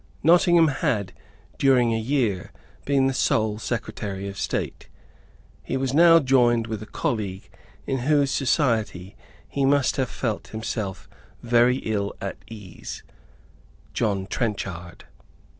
Nottingham had, during a year, been the sole Secretary of State. He was now joined with a colleague in whose society he must have felt himself very ill at ease, John Trenchard.